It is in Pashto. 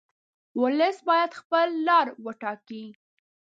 ولس باید خپله لار وټاکي.